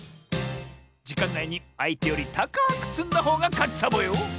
じかんないにあいてよりたかくつんだほうがかちサボよ！